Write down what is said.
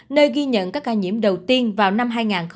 nơi ghi nhận các ca nhiễm đầu tiên vào năm hai nghìn hai mươi